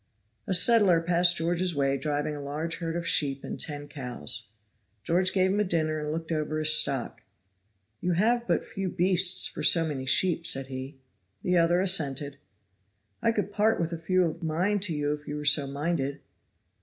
A settler passed George's way driving a large herd of sheep and ten cows. George gave him a dinner and looked over his stock. "You have but few beasts for so many sheep," said he. The other assented. "I could part with a few of mine to you if you were so minded."